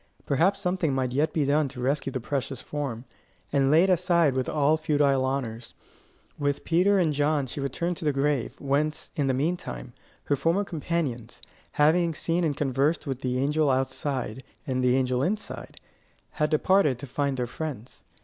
Perhaps something might yet be done to rescue the precious form, and lay it aside with all futile honours. With Peter and John she returned to the grave, whence, in the mean time, her former companions, having seen and conversed with the angel outside and the angel inside, had departed to find their friends.